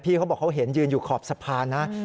เขาบอกเขาเห็นยืนอยู่ขอบสะพานนะ